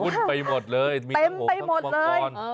มุ่นไปหมดเลยมีทั้งหงทั้งวังกรเต็มไปหมดเลย